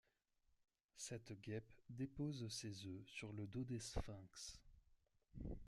Cette guêpe dépose ses œufs sur le dos des sphinx.